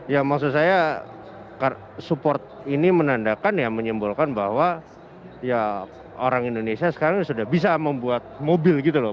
ya maksud saya support ini menandakan ya menyimbolkan bahwa ya orang indonesia sekarang sudah bisa membuat mobil gitu loh